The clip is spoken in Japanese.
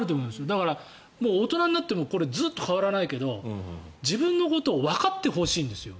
だから大人になってもずっと変わらないけど自分のことをわかってほしいんですよ。